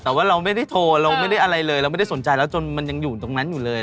แต่ว่าเราไม่ได้โทรเราไม่ได้อะไรเลยเราไม่ได้สนใจแล้วจนมันยังอยู่ตรงนั้นอยู่เลย